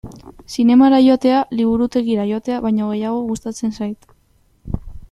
Zinemara joatea liburutegira joatea baino gehiago gustatzen zait.